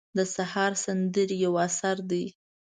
د سهار سندرې یو اثر دی.